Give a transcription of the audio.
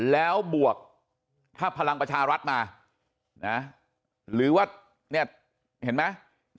แล้วบวกถ้าพลังประชารัฐมานะหรือว่าเนี่ยเห็นไหม